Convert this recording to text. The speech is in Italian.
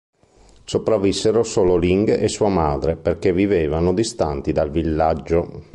Sopravvissero solo Ling e sua madre perché vivevano distanti dal villaggio.